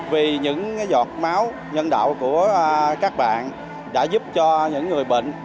vì những giọt máu nhân đạo của các bạn đã giúp cho những người bệnh